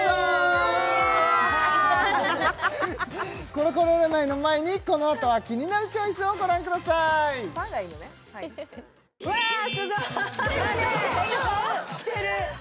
コロコロ占いの前にこのあとは「キニナルチョイス」をご覧くださいきてるね！